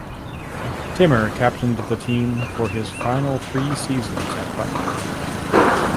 Timmer captained the team for his final three seasons at Butler.